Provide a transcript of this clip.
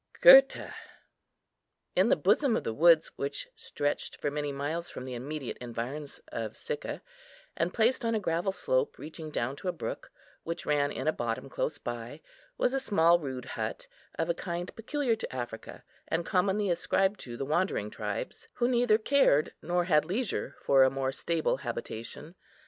GURTA. In the bosom of the woods which stretched for many miles from the immediate environs of Sicca, and placed on a gravel slope reaching down to a brook, which ran in a bottom close by, was a small, rude hut, of a kind peculiar to Africa, and commonly ascribed to the wandering tribes, who neither cared, nor had leisure for a more stable habitation.